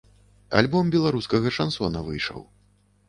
Альбом беларускага шансона выйшаў.